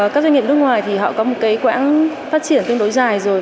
các doanh nghiệp nước ngoài có quãng phát triển tương đối dài rồi